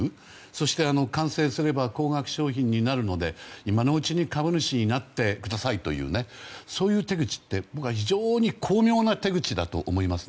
そして、完成すれば高額商品になるので、今のうちに株主になってくださいというねそういう手口って非常に巧妙な手口だと思います。